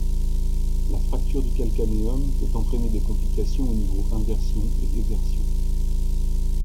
La fracture du calcanéum peut entraîner des complications au niveau inversion et éversion.